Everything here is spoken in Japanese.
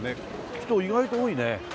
人意外と多いね。